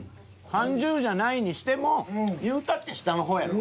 ３０じゃないにしてもいうたって下の方やろ。